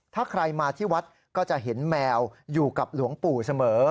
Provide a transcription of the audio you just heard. ถ้าใครมาที่วัดก็จะเห็นแมวอยู่กับหลวงปู่เสมอ